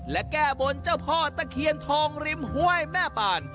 และแก้บนเจ้าพ่อตะเคียนทองริมห้วยแม่ป่าน